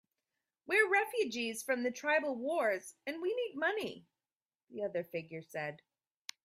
"We're refugees from the tribal wars, and we need money," the other figure said.